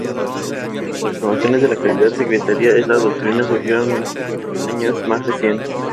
Las afirmaciones de la calidad sectaria de esta doctrina siguieron en años más recientes.